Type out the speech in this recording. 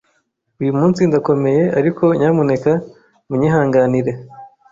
Uyu munsi ndakomeye, ariko nyamuneka munyihanganire.